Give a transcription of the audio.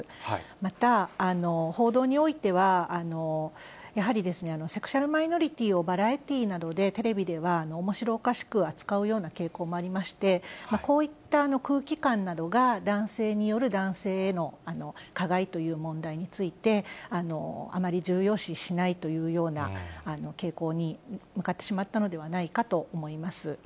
また、報道においては、やはりセクシャルマイノリティーをバラエティーなどでテレビでは、おもしろおかしく扱うような傾向もありまして、こういった空気感などが、男性による男性への加害という問題について、あまり重要視しないというような傾向に向かってしまったのではないかと思います。